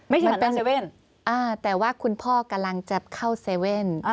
ไม่ใช่หมาหน้าเซเว่นอ่าแต่ว่าคุณพ่อกำลังจะเข้าเซเว่นอ่า